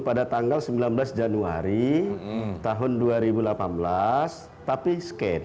pada tanggal sembilan belas januari tahun dua ribu delapan belas tapi scan